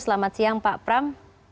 selamat siang pak pram